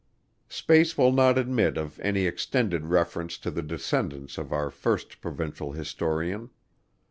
Space will not admit of any extended reference to the descendants of our first provincial historian.